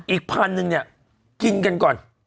อีก๑๐๐๐เนี่ยกินกันก่อน